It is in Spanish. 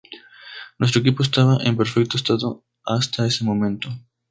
Nuestro equipo estaba en perfecto estado hasta ese momento.